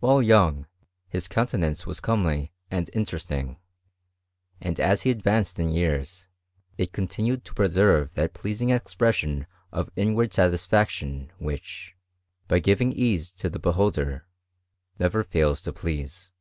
While young, his countenance was comely and interesting; and as he advanced in years, it continued to preserve that pleas ing expression of inward satisfaction which, by giving ease to the beholder, never fails to please.